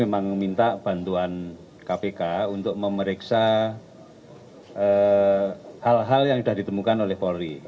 memang minta bantuan kpk untuk memeriksa hal hal yang sudah ditemukan oleh polri